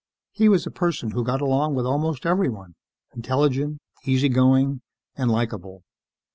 He was a person who got along with almost everyone. Intelligent, easy going and likeable.